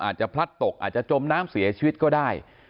พลัดตกอาจจะจมน้ำเสียชีวิตก็ได้